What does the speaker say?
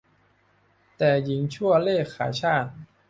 แต่หญิงชั่วเร่ขายชาติ